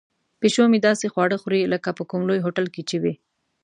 پیشو مې داسې خواړه غواړي لکه په کوم لوی هوټل کې چې وي.